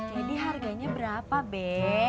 jadi harganya berapa be